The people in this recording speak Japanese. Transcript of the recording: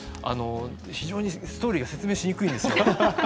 非常にストーリーが説明しにくいんですよ。